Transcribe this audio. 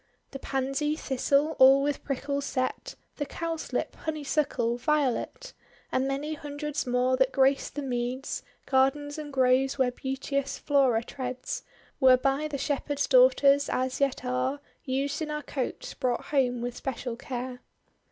The Pansy, Thistle all with prickles set, The Cowslip, Honeysuckle, Violet, And many hundreds more that graced the meads, Gardens and groves, where beauteous Flora treads, Were by the Shepherds' daughters (as yet are Used in our cotes) brought home ivith special care.